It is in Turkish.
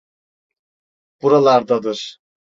Buralardadır.